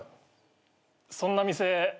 そんな店。